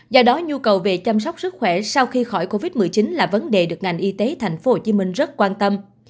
do đó nhu cầu về chăm sóc sức khỏe sau khi khỏi covid một mươi chín là vấn đề được ngành y tế tp hcm rất quan tâm